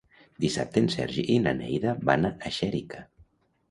Dissabte en Sergi i na Neida van a Xèrica.